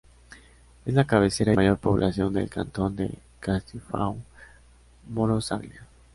Es la cabecera y mayor población del cantón de Castifao-Morosaglia.